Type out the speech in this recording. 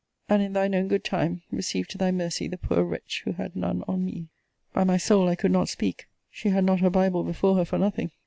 and, in thine own good time, receive to thy mercy the poor wretch who had none on me! ' By my soul, I could not speak. She had not her Bible before her for nothing.